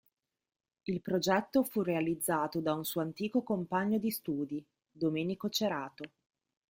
Il progetto fu realizzato da un suo antico compagno di studi, Domenico Cerato.